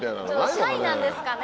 シャイなんですかね。